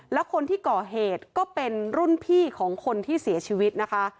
แล้วคนที่ก่อเหตุก็เป็นรุ่นพี่ของคนที่เสียชีวิตนะคะ